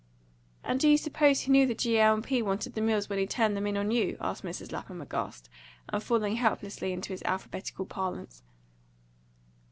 "And do you suppose he knew the G. L. & P. wanted the mills when he turned them in on you?" asked Mrs. Lapham aghast, and falling helplessly into his alphabetical parlance.